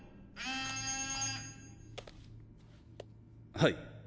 はい。